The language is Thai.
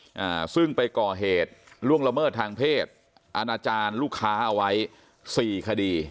อ่าซึ่งไปก่อเหตุล่วงละเมิดทางเพศอาณาจารย์ลูกค้าเอาไว้สี่คดี